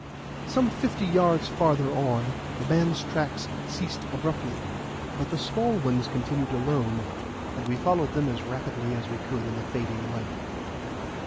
Some fifty yards farther on, the man's tracks ceased abruptly, but the small ones continued alone; and we followed them as rapidly as we could in the fading light.